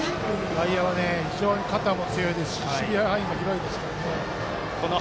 外野も非常に肩強いですし守備範囲も広いですね。